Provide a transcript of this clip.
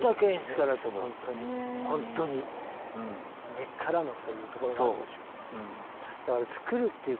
根っからのというところがあるんでしょうね。